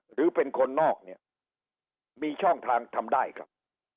หรือเป็นคนนอกเนี่ยมีช่องทางทำได้ครับ